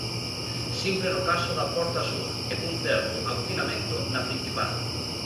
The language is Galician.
Simple no caso da porta sur e cun certo abucinamento na principal.